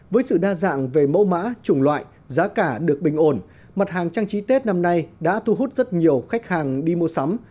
với sự đa dạng về mẫu mã chủng loại giá cả được bình ổn mặt hàng trang trí tết năm nay đã thu hút rất nhiều khách hàng đi mua sắm